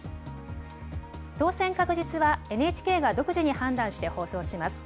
当選確実はＮＨＫが独自に判断して放送します。